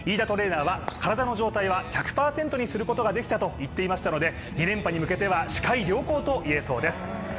トレーナーは体の状態は１００％にすることができたと言っていましたので２連覇に向けては視界良好と言えそうです。